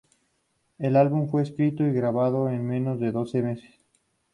El álbum fue escrito y grabado en menos de doce meses.